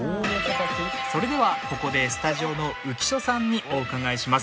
それではここでスタジオの浮所さんにお伺いします。